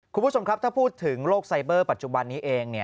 คุณผู้ชมครับถ้าพูดถึงโลกไซเบอร์ปัจจุบันนี้เอง